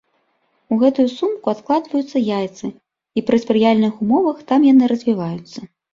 У гэтую сумку адкладваюцца яйцы, і пры спрыяльных умовах там яны развіваюцца.